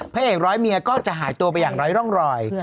พระเอกร้อยเมียก็จะหายตัวไปอย่างไร้ร่องรอย